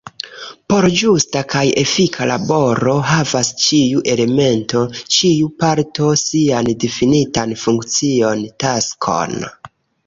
Por ĝusta kaj efika laboro havas ĉiu elemento, ĉiu parto, sian difinitan funkcion, taskon.